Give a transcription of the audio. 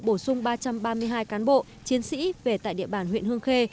bổ sung ba trăm ba mươi hai cán bộ chiến sĩ về tại địa bàn huyện hương khê